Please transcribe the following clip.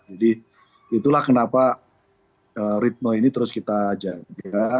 jadi itulah kenapa ritme ini terus kita jangka